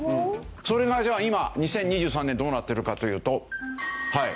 それがじゃあ今２０２３年どうなってるかというとはい。